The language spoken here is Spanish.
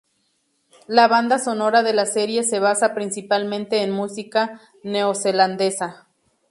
La banda sonora de la serie se basa principalmente en música neozelandesa.